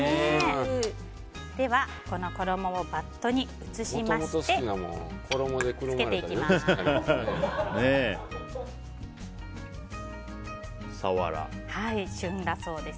では、この衣をバットに移しましてつけていきます。